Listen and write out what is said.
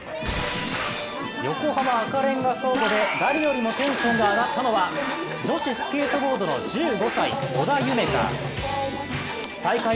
横浜赤レンガ倉庫で誰よりもテンションが上がったのは女子スケートボードの１５歳織田夢海。